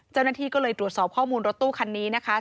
เจ้าหน้าที่ก็เลยตรวจสอบข้อมูลรถตู้คันนี้นะคะ